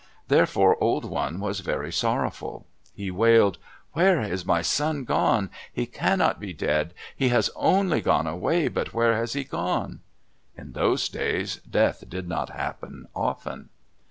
Therefore Old One was very sorrowful. He wailed, "Where is my son gone? He cannot be dead. He has only gone away. But where has he gone?" In those days death did not happen often.